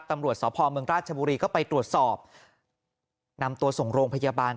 ตำรวจสพเมืองราชบุรีก็ไปตรวจสอบนำตัวส่งโรงพยาบาล